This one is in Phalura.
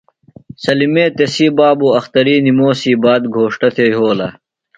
سلیمے تسی بابوۡ اختری نِموسی باد گھوݜٹہ تھےۡ یھولہ۔